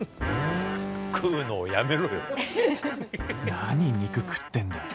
なに肉食ってんだよ。